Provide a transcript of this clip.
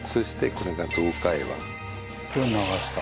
これ流した。